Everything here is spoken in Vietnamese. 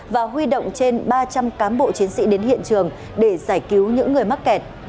và huy động trên ba trăm linh cán bộ chiến sĩ đến hiện trường để giải cứu những người mắc kẹt